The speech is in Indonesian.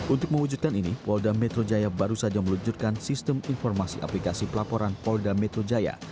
untuk mewujudkan ini polda metro jaya baru saja meluncurkan sistem informasi aplikasi pelaporan polda metro jaya